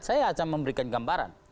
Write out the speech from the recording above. saya akan memberikan gambaran